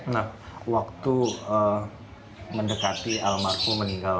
nah waktu mendekati almarhum meninggal